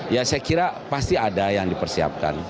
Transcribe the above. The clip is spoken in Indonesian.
ya saya kira pasti ada yang dipersiapkan